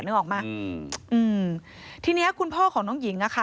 นึกออกมั้ยทีนี้คุณพ่อของน้องหญิงค่ะ